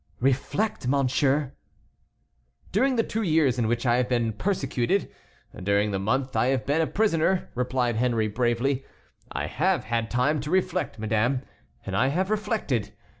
"Reflect, monsieur." "During the two years in which I have been persecuted, during the month I have been a prisoner," replied Henry, bravely, "I have had time to reflect, madame, and I have reflected.